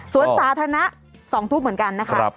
สาธารณะ๒ทุ่มเหมือนกันนะคะ